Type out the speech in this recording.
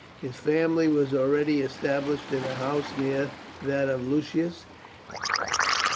His family was already established in a house near that of Lucius.